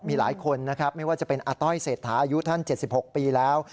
มีหลายคนนะครับไม่ว่าจะเป็นอาต้อยเศรษฐาอายุท่าน๗๖ปีแล้ว